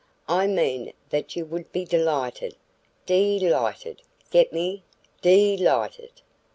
I meant that you would be delighted dee light ed get me? dee light ed."